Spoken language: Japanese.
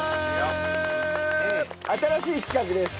新しい企画です。